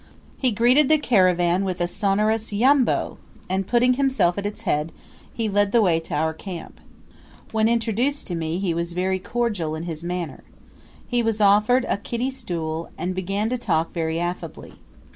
He greeted the caravan with a sonorous "Yambo," and, putting himself at its head, he led the way to our camp. When introduced to me he was very cordial in his manner. He was offered a kiti stool and began to talk very affably.